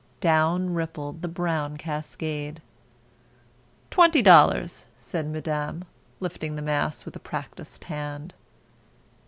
Down rippled the brown cascade. "Twenty dollars," said Madame, lifting the mass with a practised hand.